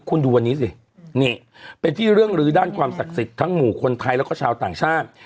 คุณดูวันนี้สินี่เป็นที่เรื่องลื้อด้านความศักดิ์สิทธิ์ทั้งหมู่คนไทยแล้วก็ชาวต่างชาติ